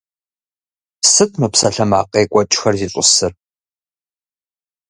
Сыт мы псалъэмакъ екӀуэкӀхэр зищӀысыр?